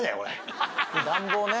暖房ね。